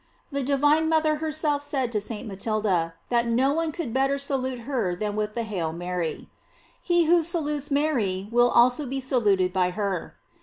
* The divine mother herself said to St. Matilda, that no one could better salute her than with the "Hail Mary." He who salutes Mary will also be saluted by her.